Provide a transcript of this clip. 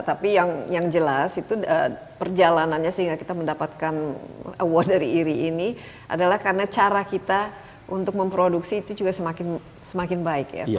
tapi yang jelas itu perjalanannya sehingga kita mendapatkan award dari iri ini adalah karena cara kita untuk memproduksi itu juga semakin baik ya